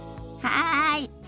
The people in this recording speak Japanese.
はい！